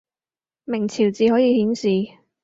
明朝字可以顯示